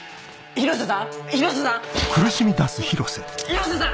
広瀬さん。